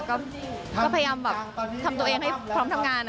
ก็พยายามแบบทำตัวเองให้พร้อมทำงาน